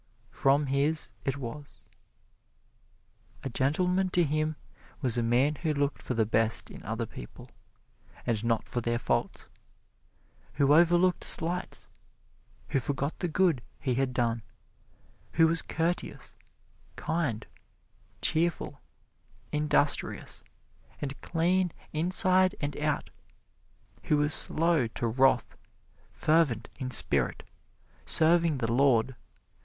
From his it was. A gentleman to him was a man who looked for the best in other people, and not for their faults; who overlooked slights; who forgot the good he had done; who was courteous, kind, cheerful, industrious and clean inside and out; who was slow to wrath, fervent in spirit, serving the Lord.